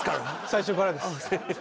最初からです。